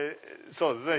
そうですね。